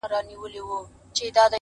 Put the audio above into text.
تا ولي هر څه اور ته ورکړل د یما لوري,